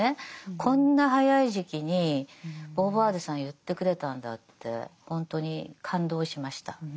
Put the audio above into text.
こんな早い時期にボーヴォワールさんは言ってくれたんだってほんとに感動しました。